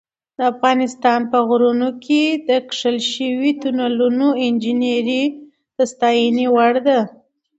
د افغانستان په غرونو کې د کښل شویو تونلونو انجینري د ستاینې وړ ده.